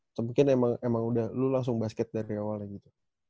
atau mungkin emang udah lu langsung basket dari awalnya gitu